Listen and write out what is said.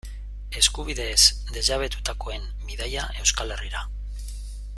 Eskubideez desjabetutakoen bidaia Euskal Herrira.